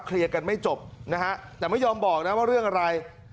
กันไม่จบนะฮะแต่ไม่ยอมบอกนะว่าเรื่องอะไร